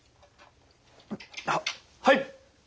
はっはい！